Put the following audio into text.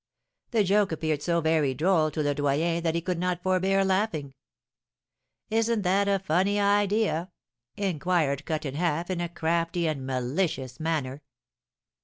The joke appeared so very droll to Le Doyen that he could not forbear laughing. 'Isn't that a funny idea?' inquired Cut in Half, in a crafty and malicious manner.